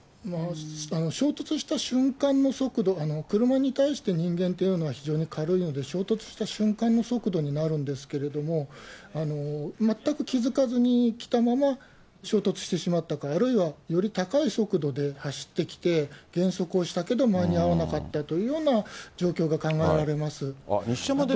衝突した瞬間の速度、車に対して人間っていうのは非常に軽いので、衝突した瞬間の速度になるんですけれども、全く気付かずに来たまま衝突してしまったか、あるいはより高い速度で走ってきて減速をしたけど間に合わなかったというような状況が考えられます。